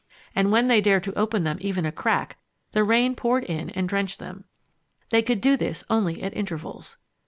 And when they dared to open them even a crack, the rain poured in and drenched them. They could do this only at intervals.